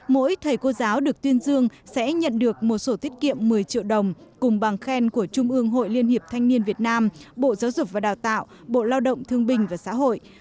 mỗi thầy cô giáo được tuyên dương sẽ nhận được một sổ tiết kiệm một mươi triệu đồng cùng bằng khen của trung ương hội liên hiệp thanh niên việt nam bộ giáo dục và đào tạo bộ lao động thương bình và xã hội